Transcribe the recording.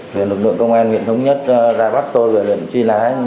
thì lực lượng công an huyện thống nhất ra bắt tôi và luyện truy nã